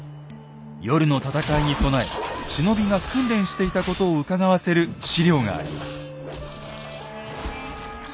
夜の戦いに備え忍びが訓練していたことをうかがわせる史料があります。